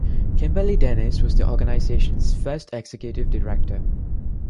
Kimberly Dennis was the organization's first executive director.